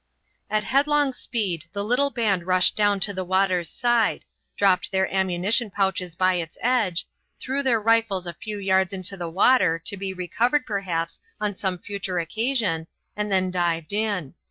At headlong speed the little band rushed down to the water's side, dropped their ammunition pouches by its edge, threw their rifles a few yards into the water, to be recovered, perhaps, on some future occasion, and then dived in.